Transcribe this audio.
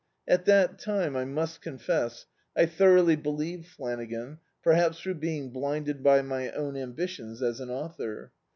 At that time, I must confess, I thoroughly believed Flanagan, perhaps throu^ being blinded by my own ambitions as an author.